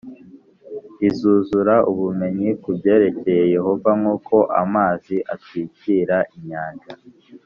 izuzura ubumenyi ku byerekeye Yehova nk uko amazi atwikira inyanja